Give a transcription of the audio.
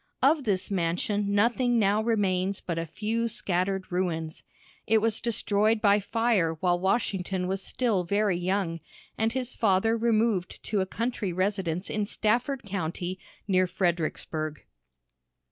Of this mansion nothing now remains but a few scattered ruins. It was destroyed by fire while Washington was still very young, and his father removed to a country residence in Stafford County, near Fredericksburg.